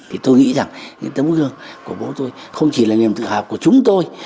thì tôi nghĩ rằng những tấm gương của bố tôi không chỉ là niềm tự hào của chúng tôi